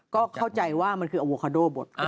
ก็เข้าใจว่ามันคืออโวคาโดบท